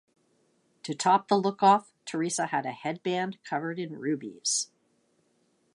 To top the look off Theresa had a head band covered in rubies.